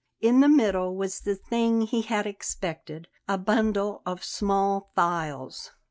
In the middle was the thing he had expected, a bundle of small files.